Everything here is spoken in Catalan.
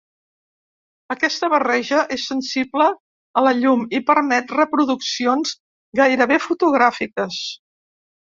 Aquesta barreja és sensible a la llum i permet reproduccions gairebé fotogràfiques.